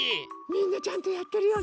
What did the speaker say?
みんなちゃんとやってるよね。